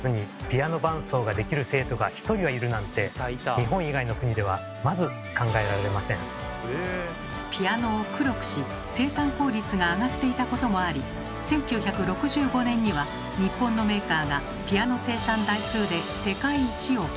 学校内のピアノを黒くし生産効率が上がっていたこともあり１９６５年には日本のメーカーがピアノ生産台数で世界一を記録。